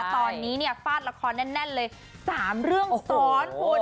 ตอนนี้เนี่ยฟาดละครแน่นเลย๓เรื่องซ้อนคุณ